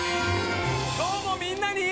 今日もみんなに。